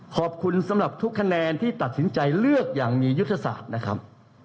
ขอบคุณสำหรับทุกคะแนนที่ตัดสินใจเลือกอย่างมียุทธศาสตร์นะครับ